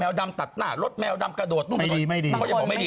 ไม่ได้หายหรอก